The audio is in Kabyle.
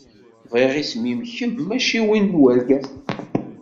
Bɣiɣ isem-im kemm mačči win n urgaz-im.